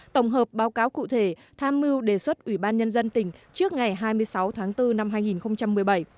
tổng hợp báo cáo cụ thể tham mưu đề xuất ủy ban nhân dân tỉnh trước ngày hai mươi sáu tháng bốn năm hai nghìn một mươi bảy